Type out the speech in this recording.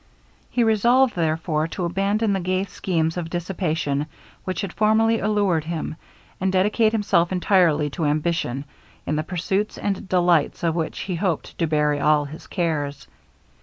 He resolved, therefore, to abandon the gay schemes of dissipation which had formerly allured him, and dedicate himself entirely to ambition, in the pursuits and delights of which he hoped to bury all his cares.